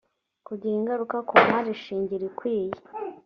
kugira ingaruka ku mari shingiro ikwiye